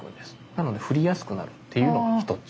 なので振りやすくなるっていうのが一つ。